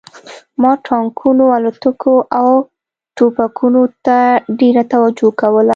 ما ټانکونو الوتکو او ټوپکونو ته ډېره توجه کوله